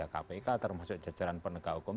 kpk termasuk jajaran penegak hukum